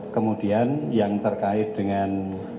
kemudian yang terkait dengan